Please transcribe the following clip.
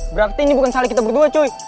berarti ini bukan salah kita berdua cuy